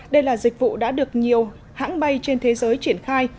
đây là dịch vụ đã được nhiều hãng bay trên thế giới triển khai